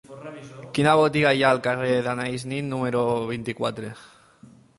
Quina botiga hi ha al carrer d'Anaïs Nin número vint-i-quatre?